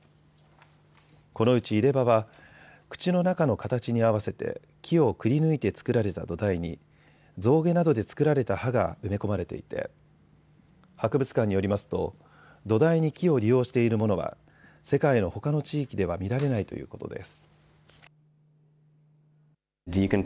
このうち入れ歯は口の中の形に合わせて木をくりぬいて作られた土台に象牙などで作られた歯が埋め込まれていて博物館によりますと土台に木を利用しているものは世界のほかの地域では見られないということです。